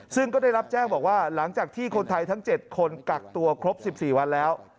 ซึ่งก็ได้รับแจ้งบอกว่าหลังจากที่คนไทยทั้ง๗คนกักตัวครบ๑๔วันแล้ว